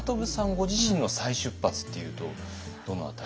ご自身の再出発っていうとどの辺り？